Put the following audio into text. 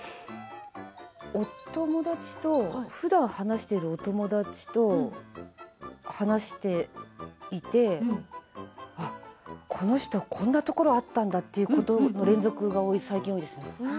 ふだん話しているお友達と話をしていてこの人はこんなところがあったんだということそういう連続が多いですね。